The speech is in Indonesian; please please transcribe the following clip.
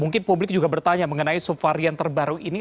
mungkin publik juga bertanya mengenai subvarian terbaru ini